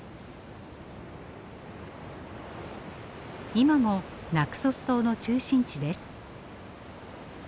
今もナクソス島の中心地です。